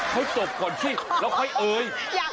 ให้จบก่อนสิแล้วค่อยเอ่ย